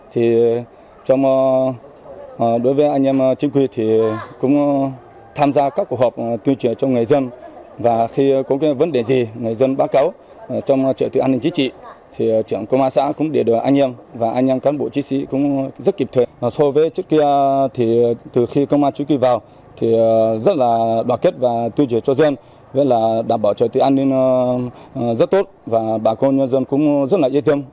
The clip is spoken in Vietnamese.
thì từ khi công an truyền kỳ vào thì rất là đoạt kết và tuyên truyền cho dân với là đảm bảo trời tự an ninh rất tốt và bà cô nhân dân cũng rất là yêu thương